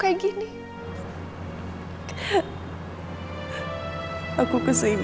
kau ga bisa learnerin